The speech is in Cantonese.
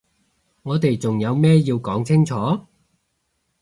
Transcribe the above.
我哋仲有咩要講清楚？